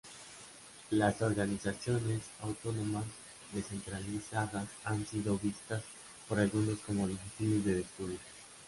Las organizaciones autónomas descentralizadas han sido vistas por algunos como difíciles de describir.